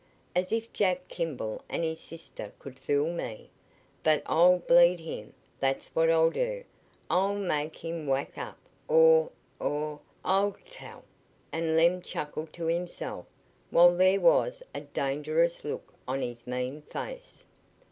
As if Jack Kimball an' his sister could fool me! But I'll bleed him that's what I'll do. I'll make him whack up or or I'll tell!" and Lem chuckled to himself, while there was a dangerous look on his mean face.